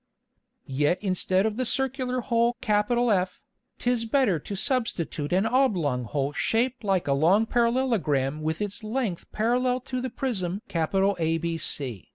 Yet instead of the Circular Hole F, 'tis better to substitute an oblong Hole shaped like a long Parallelogram with its Length parallel to the Prism ABC.